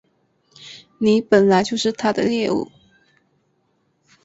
你本来就是他的猎物